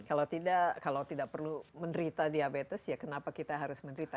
kalau tidak perlu menderita diabetes ya kenapa kita harus menderita